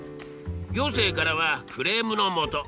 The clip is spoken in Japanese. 行政からはクレームの元。